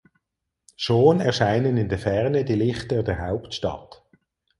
Schon erscheinen in der Ferne die Lichter der Hauptstadt.